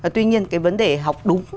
tuy nhiên cái vấn đề học đúng